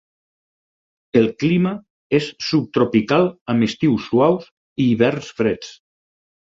El clima és subtropical amb estius suaus i hiverns freds.